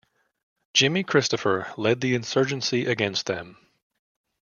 Jimmy Christopher led the insurgency against them.